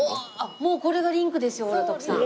もうこれがリンクですよほら徳さん。